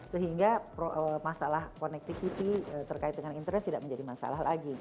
sehingga masalah connectivity terkait dengan internet tidak menjadi masalah lagi